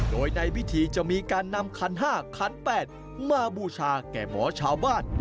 โดยในพิธีจะมีการนำขัน๕ขัน๘มาบูชาแก่หมอชาวบ้าน